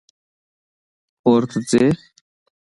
کور ته ځې؟